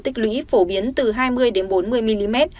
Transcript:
tích lũy phổ biến từ hai mươi bốn mươi mm